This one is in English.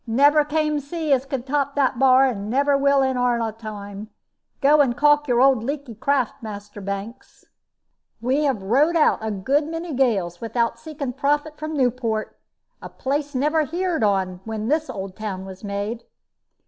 "Never came sea as could top that bar, and never will in our time. Go and calk your old leaky craft, Master Banks." "We have rode out a good many gales without seeking prophet from Newport a place never heerd on when this old town was made."